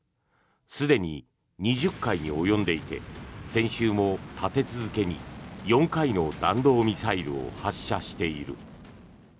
すでに２０回に及んでいて先週も立て続けに４回の弾道ミサイルを発射している。